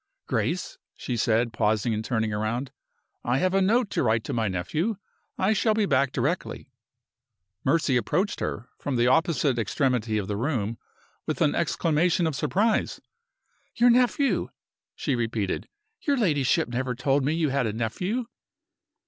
"Grace," she said, pausing and turning round, "I have a note to write to my nephew. I shall be back directly." Mercy approached her, from the opposite extremity of the room, with an exclamation of surprise. "Your nephew?" she repeated. "Your ladyship never told me you had a nephew."